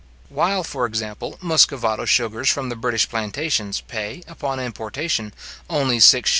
While, for example, Muscovado sugars from the British plantations pay, upon importation, only 6s:4d.